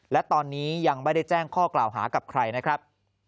และตอนนี้ยังไม่ได้แจ้งข้อกล่าวหากับใครนะครับ